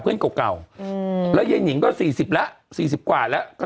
คือโอ้โห